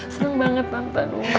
seneng banget tante